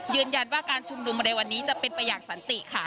ยืนยันว่าการชุมนุมในวันนี้จะเป็นไปอย่างสันติค่ะ